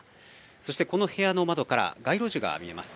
そしてこの部屋の窓から街路樹が見えます。